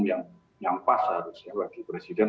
yang pas seharusnya bagi presiden